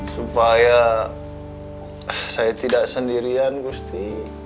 supaya saya tidak sendirian gusti